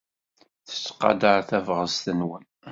Tettqadar tabɣest-nwen.